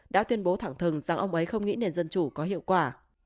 đã tuyên bố thẳng thừng rằng ông ấy không nghĩ nền dân chủ có hiệu quả